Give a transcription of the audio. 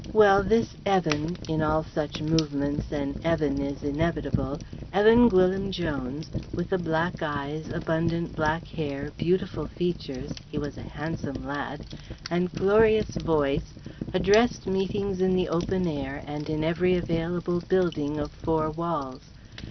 Well this Evan in all such movements an Evan is inevitable Evan Gwyllim Jones with the black eyes, abundant black hair, beautiful features (he was a handsome lad) and glorious voice, addressed meetings in the open air and in every available building of four walls.